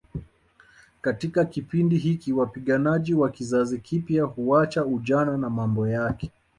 Katika kipindi hiki wapiganaji wa kizazi kipya huuacha ujana na mambo yake